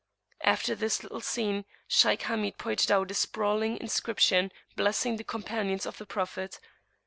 After this little scene, Shaykh Hamid pointed out a sprawling inscription blessing the Companions of the Prophet.